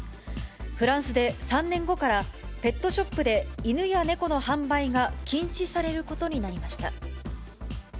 フランスで３年後から、ペットショップで犬や猫の販売が禁止されることになりました。